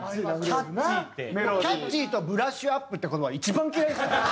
キャッチーとブラッシュアップっていう言葉が一番嫌いですから。